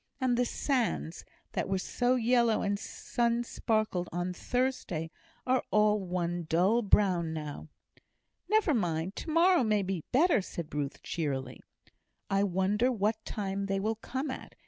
And the sands, that were so yellow and sun speckled on Thursday, are all one dull brown now." "Never mind! to morrow may be better," said Ruth, cheerily. "I wonder what time they will come at?"